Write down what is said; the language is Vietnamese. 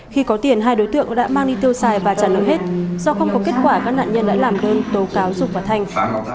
khi có tiền hai đối tượng đã mang đi tiêu xài và trả nợ hết do không có kết quả các nạn nhân đã làm đơn tố cáo dục và thanh